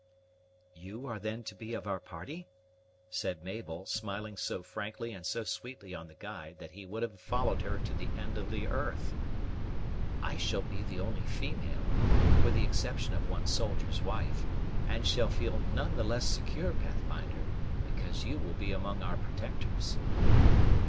"You are then to be of our party?" said Mabel, smiling so frankly and so sweetly on the guide that he would have followed her to the end of the earth. "I shall be the only female, with the exception of one soldier's wife, and shall feel none the less secure, Pathfinder, because you will be among our protectors."